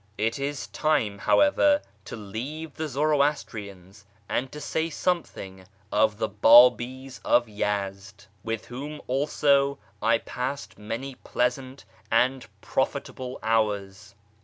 It is time, however, to leave the Zoroastrians, and to say something of the Babis of Yezd, with whom also I passed many pleasant and profitable hours.